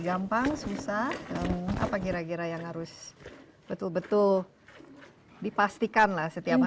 gampang susah apa kira kira yang harus betul betul dipastikan lah setiap hari